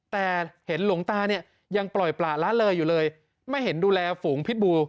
แต่เห็นหลวงตาเนี่ยยังปล่อยประละเลยอยู่เลยไม่เห็นดูแลฝูงพิษบู